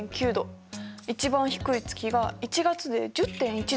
一番低い月が１月で１０．１度。